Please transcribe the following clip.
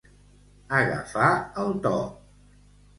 Agafar el to.